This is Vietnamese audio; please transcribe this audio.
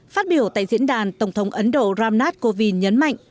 phát biểu tại diễn đàn tổng thống ấn độ ramnath kovin nhấn mạnh